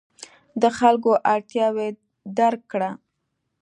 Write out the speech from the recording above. د خلکو اړتیاوې درک کړه.